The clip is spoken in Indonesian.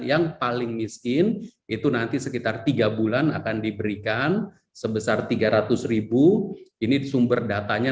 yang paling miskin itu nanti sekitar tiga bulan akan diberikan sebesar tiga ratus ini sumber datanya